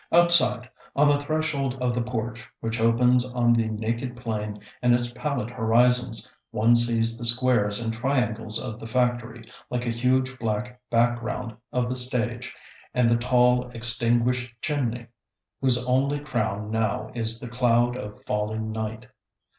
Outside, on the threshold of the porch which opens on the naked plain and its pallid horizons, one sees the squares and triangles of the factory, like a huge black background of the stage, and the tall extinguished chimney, whose only crown now is the cloud of falling night.